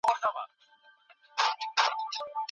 حقوقپوهان چیري د اقلیتونو حقونه لټوي؟